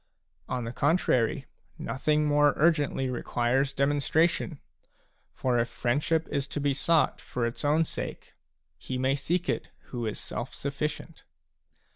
On the contrary, nothing more urgently requires demonstration ; for if friendship is to be sought for its own sake, he may seek it who is self sufficient.